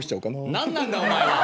何なんだお前は！